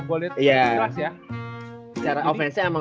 jadi ya udah lu mending offense aja ya kan